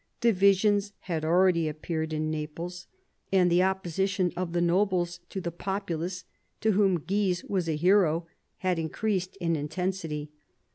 Divisions had already a ppeared in Naples, and the opposition of the nobles to the populace, to whom Guise was a hero, had increased in intensity.